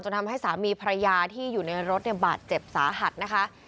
ทำให้สามีภรรยาที่อยู่ในรถเนี่ยบาดเจ็บสาหัสนะคะ